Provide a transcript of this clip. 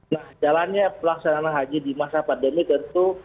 nah jalannya pelaksanaan haji di masa pandemi tentu